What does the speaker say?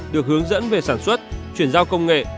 được hướng dẫn về sản xuất chuyển giao công nghệ